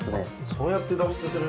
そうやって脱出する。